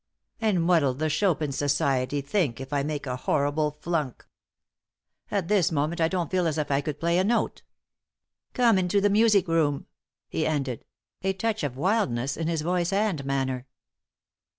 And what'll the Chopin Society think if I make a horrible flunk? At this moment, I don't feel as if I could play a note. Come into the music room!" he ended, a touch of wildness in his voice and manner.